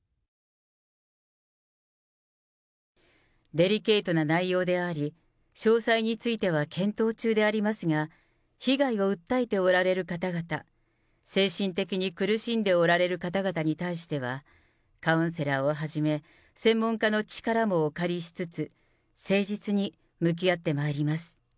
デリケートな内容であり、詳細については検討中でありますが、被害を訴えておられる方々、精神的に苦しんでおられる方々に対しては、カウンセラーをはじめ、専門家の力もお借りしつつ、誠実に向き合ってまいります。